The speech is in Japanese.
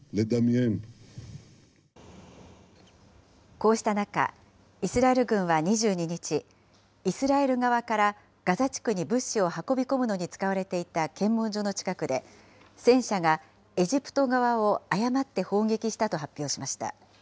こうした中、イスラエル軍は２２日、イスラエル側からガザ地区に物資を運び込むのに使われていた検問所の近くで、戦車がエジプト側を誤って砲撃したと発表しました。